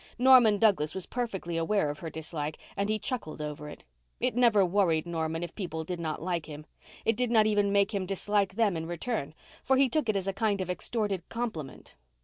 Norman Douglas was perfectly aware of her dislike and he chuckled over it. It never worried Norman if people did not like him. It did not even make him dislike them in return, for he took it as a kind of extorted compliment.